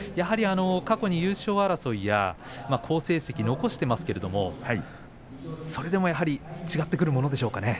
過去に優勝争いや好成績を残していますけれどもそれでも、やはり違ってくるものでしょうかね。